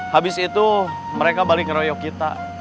habis itu mereka balik ngeroyok kita